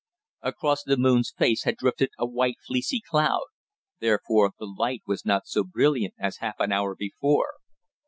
Across the moon's face had drifted a white, fleecy cloud; therefore the light was not so brilliant as half an hour before.